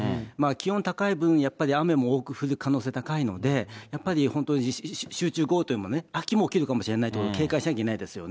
気温高い分、やっぱり雨も多く降る可能性高いので、やっぱり本当に集中豪雨というもの、秋も起きるかもしれないということも警戒しなきゃいけないですよ